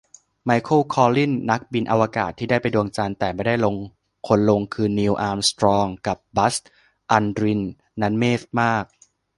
ไมเคิล คอลลินส์ นักบินอวกาศที่ได้ไปดวงจันทร์แต่ไม่ได้ลงคนลงคือนีล อาร์มสตรองกับบัซ อัลดรินนั้นเมพมาก